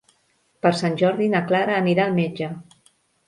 Per Sant Jordi na Clara anirà al metge.